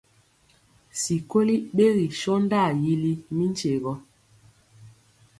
Sikoli ɓegi sɔndaa yili mi nkye gɔ.